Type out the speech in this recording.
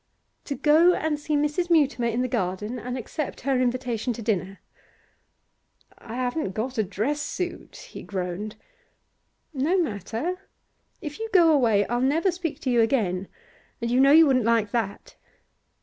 'To go and see Mrs. Mutimer in the garden, and accept her invitation to dinner.' 'I haven't got a dress suit,' he groaned. 'No matter. If you go away I'll never speak to you again, and you know you wouldn't like that.